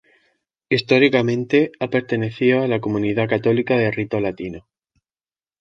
Históricamente, ha pertenecido a la comunidad católica de rito latino.